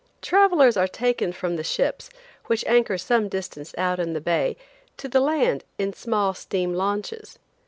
Travelers are taken from the ships, which anchor some distance out in the bay, to the land in small steam launches.